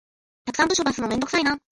たくさんの文書出すのめんどくさいな